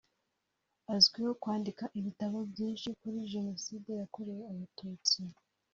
Azwiho kwandika ibitabo byinshi kuri Jenoside yakorewe abatutsi